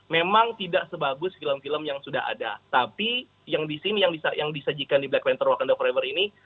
memang tidak sebagus film film yang sudah ada tapi yang di sini yang disajikan di black mentor wakanda freever ini